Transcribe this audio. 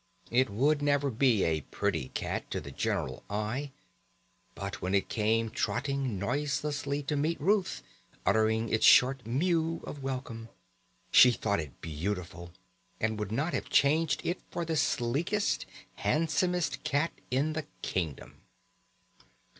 It could never be a pretty cat to the general eye, but when it came trotting noiselessly to meet Ruth, uttering its short mew of welcome, she thought it beautiful, and would not have changed it for the sleekest, handsomest cat in the kingdom.